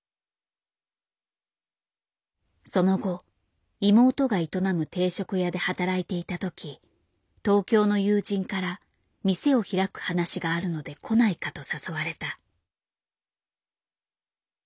その後妹が営む定食屋で働いていた時東京の友人から店を開く話があるので来ないかと誘われた。